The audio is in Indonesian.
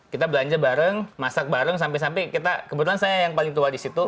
kita belanja bareng masak bareng sampai sampai kita kebetulan saya yang paling tua di situ